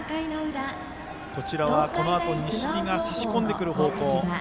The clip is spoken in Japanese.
こちらはこのあと西日がさし込んでくる方向。